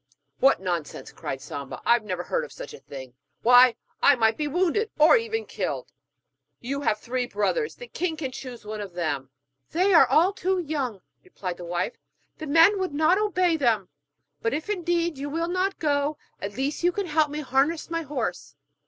'What nonsense,' exclaimed Samba, 'I never heard of such a thing. Why, I might be wounded, or even killed! You have three brothers. The king can choose one of them.' 'They are all too young,' replied his wife; 'the men would not obey them. But if, indeed, you will not go, at least you can help me harness my horse.'